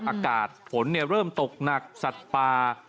อากาศฝนเริ่มตกหนักสัตว์ป่า